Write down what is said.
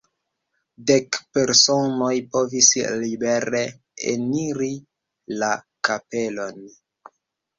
Dek personoj povis libere eniri la kapelon.